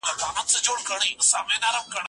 زه اوس واښه راوړم،